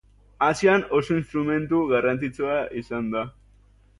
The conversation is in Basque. Asian oso instrumentu garrantzitsua izan da.